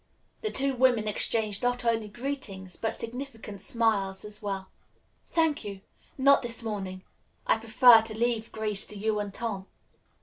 The two women exchanged not only greetings but significant smiles as well. "Thank you; not this morning. I prefer to leave Grace to you and Tom."